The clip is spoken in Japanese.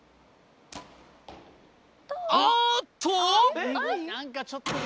ああっと！？